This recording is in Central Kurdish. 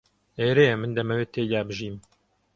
ئێرەیە من دەمەوێت تێیدا بژیم.